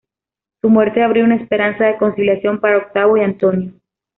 Su muerte abrió una esperanza de conciliación para Octavio y Antonio.